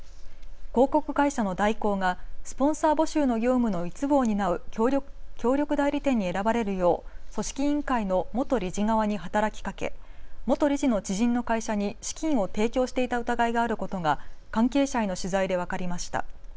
広告会社の大広がスポンサー募集の業務の一部を担う協力代理店に選ばれるよう組織委員会の元理事側に働きかけ元理事の知人の会社に資金を提供していた疑いがあることが関係者への取材で分かりました。